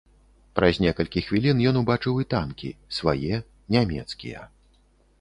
Праз некалькі хвілін ён убачыў і танкі, свае, нямецкія.